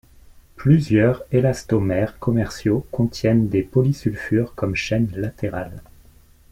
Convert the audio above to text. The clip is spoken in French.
Plusieurs élastomères commerciaux contiennent des polysulfures comme chaînes latérales.